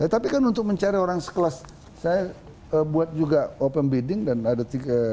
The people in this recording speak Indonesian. tapi kan untuk mencari orang sekelas saya buat juga open bidding dan ada tiga